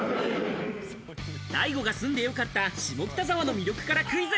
ＤＡＩＧＯが住んで良かった下北沢の魅力からクイズ。